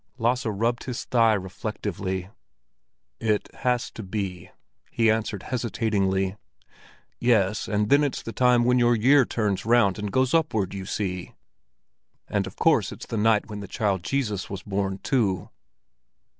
Lasse rubbed his thigh reflectively. "It has to be," he answered hesitatingly. "Yes, and then it's the time when the year turns round and goes upward, you see! And of course it's the night when the Child Jesus was born, too!"